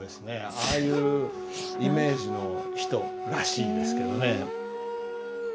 ああいうイメージの人らしいんですけどね。